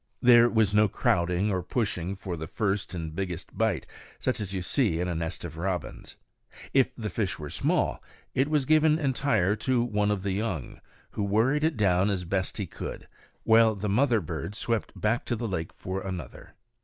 There was no crowding or pushing for the first and biggest bite, such as you see in a nest of robins. If the fish were small, it was given entire to one of the young, who worried it down as best he could, while the mother bird swept back to the lake for another.